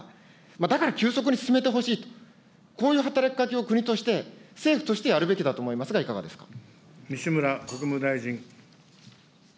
だから、急速に進めてほしいと、こういう働きかけを国として、政府としてやるべきだと思いますが、西村国務大臣。